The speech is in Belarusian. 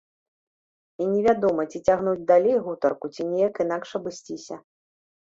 І невядома, ці цягнуць далей гутарку, ці неяк інакш абысціся.